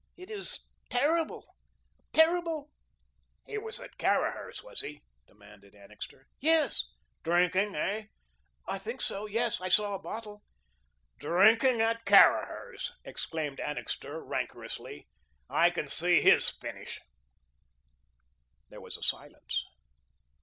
It is terrible, terrible." "He was at Caraher's, was he?" demanded Annixter. "Yes." "Drinking, hey?" "I think so. Yes, I saw a bottle." "Drinking at Caraher's," exclaimed Annixter, rancorously; "I can see HIS finish." There was a silence.